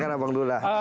silahkan bang dula